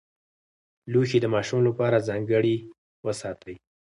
لوښي د ماشوم لپاره ځانګړي وساتئ.